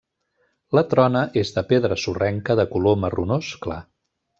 La trona és de pedra sorrenca de color marronós clar.